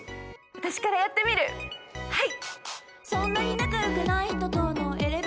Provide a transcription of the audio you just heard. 私からやってみるはい。